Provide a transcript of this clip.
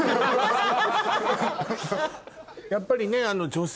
やっぱりね。